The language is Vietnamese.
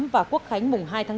và quốc khánh mùng hai tháng chín